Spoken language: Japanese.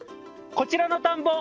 こちらの田んぼ